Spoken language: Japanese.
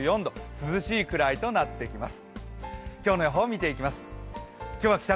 涼しいくらいとなってきます。